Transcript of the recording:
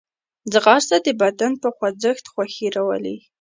ځغاسته د بدن په خوځښت خوښي راولي